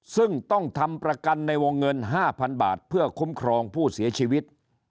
ซึ่งต้องทำประกันในวงเงิน๕๐๐๐บาทเพื่อคุ้มครองผู้เสียชีวิต